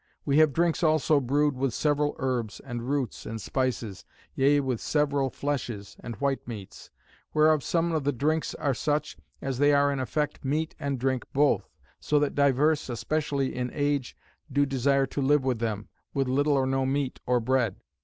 We have drinks also brewed with several herbs, and roots, and spices; yea with several fleshes, and white meats; whereof some of the drinks are such, as they are in effect meat and drink both: so that divers, especially in age, do desire to live with them, with little or no meat or bread.